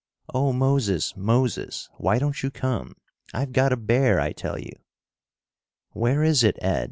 "Oh, Moses, Moses! Why don't you come? I've got a bear, I tell you." "Where is it, Ed?"